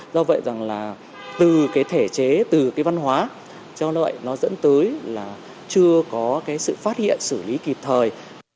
do vậy rằng là từ cái thể chế từ cái văn hóa cho nó dẫn tới là chưa có cái sự phát hiện xử lý kịp thời